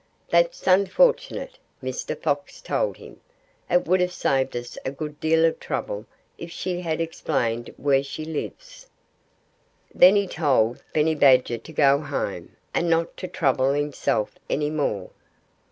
"That's unfortunate," Mr. Fox told him. "It would have saved us a good deal of trouble if she had explained where she lives." Then he told Benny Badger to go home, and not to trouble himself any more.